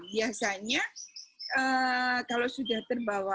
biasanya kalau sudah terlihat